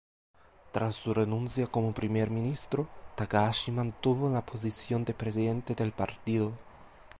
Tras su renuncia como primer ministro, Takahashi mantuvo la posición de presidente del partido.